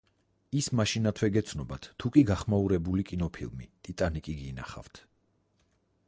ის მაშინათვე გეცნობათ, თუკი გახმაურებული კინოფილმი - „ტიტანიკი“ - გინახავთ.